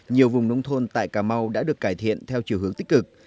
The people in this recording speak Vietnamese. nhiều vùng nông thôn tại cà mau đã được cải thiện theo chiều hướng tích cực